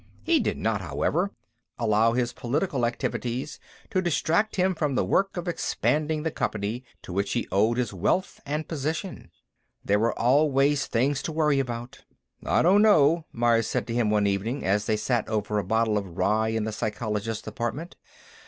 He did not, however, allow his political activities to distract him from the work of expanding the company to which he owed his wealth and position. There were always things to worry about. "I don't know," Myers said to him, one evening, as they sat over a bottle of rye in the psychologist's apartment.